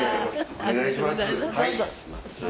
お願いします。